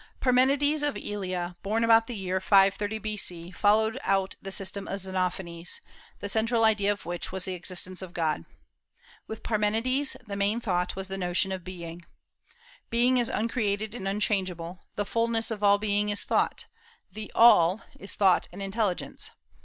Parmenides of Elea, born about the year 530 B.C., followed out the system of Xenophanes, the central idea of which was the existence of God. With Parmenides the main thought was the notion of being. Being is uncreated and unchangeable; the fulness of all being is thought; the All is thought and intelligence.